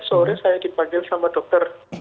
sore saya dipanggil sama dokter